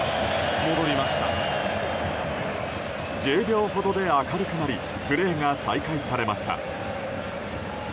１０秒ほどで明るくなりプレーが再開されました。